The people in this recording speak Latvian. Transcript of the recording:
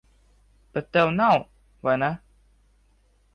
Bet tev nav, vai ne?